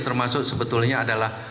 termasuk sebetulnya adalah